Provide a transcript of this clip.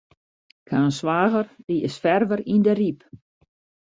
Ik ha in swager, dy is ferver yn de Ryp.